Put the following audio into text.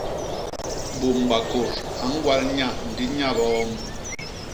Bômbakôt a ñgwal nya ndi nya biomb.